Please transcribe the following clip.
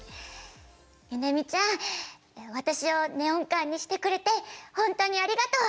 「ゆねみちゃん私をネオン管にしてくれてほんとにありがとう！